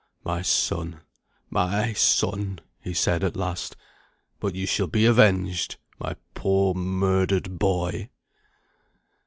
"My son! my son!" he said, at last. "But you shall be avenged, my poor murdered boy."